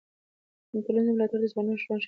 ټولنیز ملاتړ د ځوانانو ژوند ښه کوي.